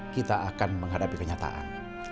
kita akan menghadapi kenyataan